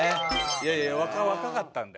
いやいや若かったんで。